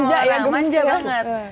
manja ya manja banget